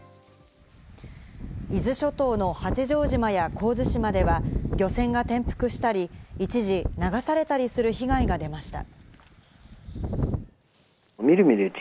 伊豆諸島の八丈島や神津島では漁船が転覆したり一時流されたりする被害が出ました。